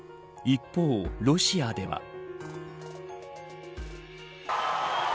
一方、ロシアでは。